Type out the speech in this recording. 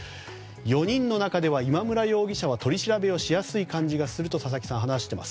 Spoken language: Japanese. ４人の中では、今村容疑者は取り調べをしやすい感じがすると佐々木さん、話しています。